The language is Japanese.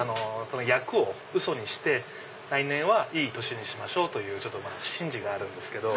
厄をウソにして来年はいい年にしましょう！という神事があるんです。